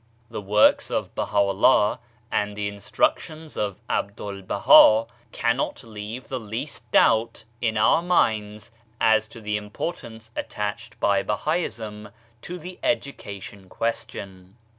The works of Baha'u'llah and the instructions of 'Abdu'1 Baha cannot leave the least doubt in our minds as to the importance attached by Bahaism to the education question.